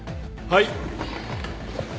はい。